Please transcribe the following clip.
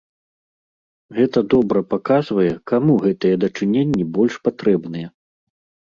Гэта добра паказвае, каму гэтыя дачыненні больш патрэбныя.